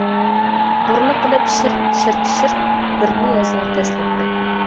بۇرنى قىلىپ شىرت، شىرت، شىرت، بىرنى يازار دەسلەپتە.